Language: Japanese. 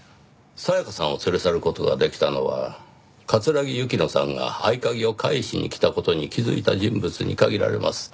沙也加さんを連れ去る事ができたのは桂木雪乃さんが合鍵を返しに来た事に気づいた人物に限られます。